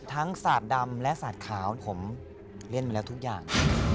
สาดดำและสาดขาวผมเล่นมาแล้วทุกอย่าง